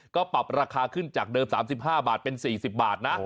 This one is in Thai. ก็ปรับราคาขึ้นจากเดิม๓๕บาทเป็น๔๐บาทนะ